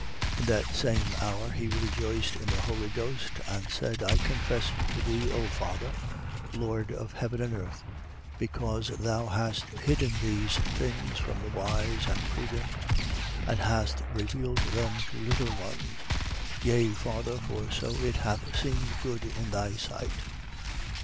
10:21. In that same hour, he rejoiced in the Holy Ghost and said: I confess to thee, O Father, Lord of heaven and earth, because thou hast hidden these things from the wise and prudent and hast revealed them to little ones. Yea, Father, for so it hath seemed good in thy sight.